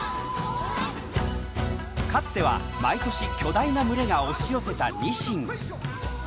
かつては毎年巨大な群れが押し寄せたニシン。